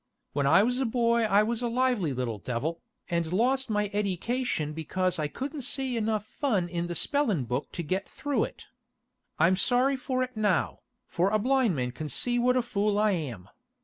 When I was a boy I was a lively little devil, and lost my edycashun bekaus I couldn't see enuf fun in the spellin' book to get thru it. I'm sorry for it now, for a blind man can see what a fool I am.